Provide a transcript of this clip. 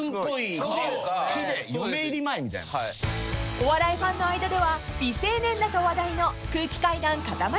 ［お笑いファンの間では美青年だと話題の空気階段かたまりさん］